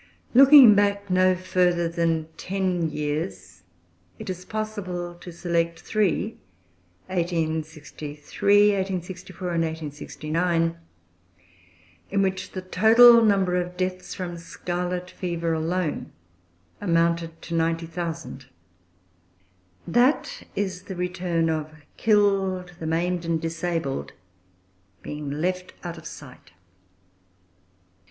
Looking back no further than ten years, it is possible to select three (1863, 1864, and 1869) in which the total number of deaths from scarlet fever alone amounted to ninety thousand. That is the return of killed, the maimed and disabled being left out of sight.